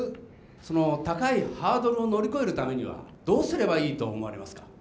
その高いハードルを乗り越えるためにはどうすればいいと思われますか？